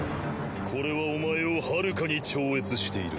これはお前をはるかに超越している。